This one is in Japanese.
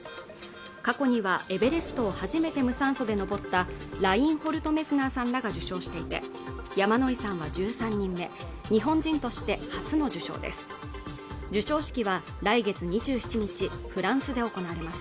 過去にはエベレストを初めて無酸素で登ったラインホルト・メスナーさんらが受賞してて山野井さんは１３人目日本人として初の受賞です